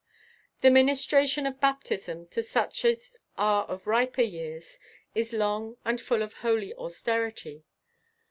"The Ministration of Baptism to such as are of Riper Years" is long and full of holy austerity.